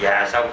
và sau khi